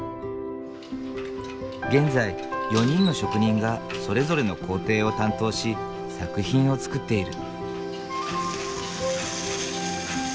現在４人の職人がそれぞれの工程を担当し作品を作っている。